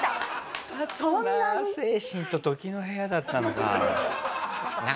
精神と時の部屋だったのか。